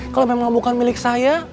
kalau memang bukan milik saya